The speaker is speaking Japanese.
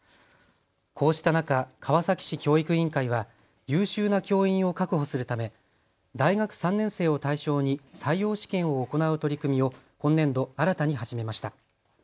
こうした中、川崎市教育委員会は優秀な教員を確保するため大学３年生を対象に採用試験を行う取り組みを今年度、新たに始めました。